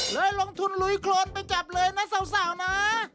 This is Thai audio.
ลงทุนลุยโครนไปจับเลยนะสาวนะ